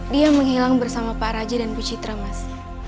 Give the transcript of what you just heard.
dia menghilang bersama pak raja dan bucitra mas